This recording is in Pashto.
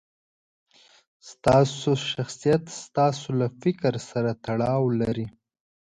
ستاسو شخصیت ستاسو له فکر سره تړاو لري.